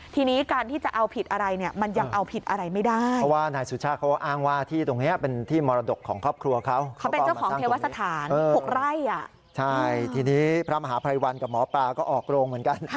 ทีนี้พระมหาพรายวัลกับหมอปลาก็ออกโลกเหมือนกัน